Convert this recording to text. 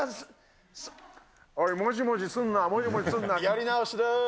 やり直しでーす！